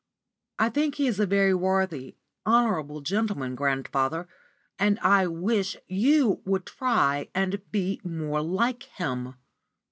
"I think he is a very worthy, honourable gentleman, grandfather, and I wish you would try and be more like him."